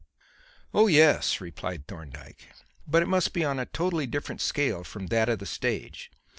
"Oh, yes," replied Thorndyke. "But it must be on a totally different scale from that of the stage.